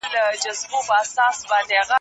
چي لغتي د ناکسو باندي اوري